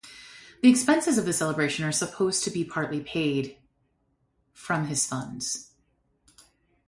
The expenses of the celebration are supposed to be partly paid from his funds.